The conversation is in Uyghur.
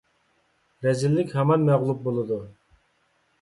رەزىللىك ھامان مەغلۇپ بولىدۇ!